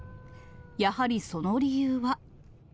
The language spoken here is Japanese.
やはりその理由は。